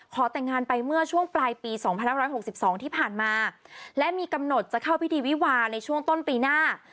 ขอแต่งงานไปเมื่อช่วงปลายปี๒๕๖๒ที่ผ่านมาและมีกำหนดจะเข้าพิธีวิวาในช่วงต้นปีหน้า